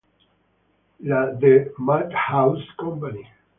La The Madhouse Co.